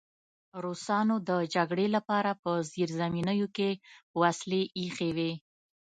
روسانو د جګړې لپاره په زیرزمینیو کې وسلې ایښې وې